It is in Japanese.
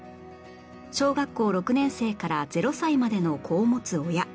小学校６年生から０歳までの子を持つ親